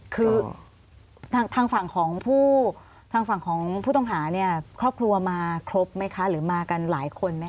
คือทางฝั่งของผู้ต้องหาเนี่ยครอบครัวมาครบไหมคะหรือมากันหลายคนไหมคะ